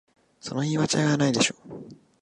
その言い間違いはないでしょ